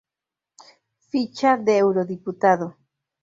Ficha de eurodiputado